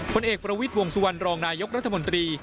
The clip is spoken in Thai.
ผลเอกประวิทย์วงสุวรรณรองนายกรัฐมนตรี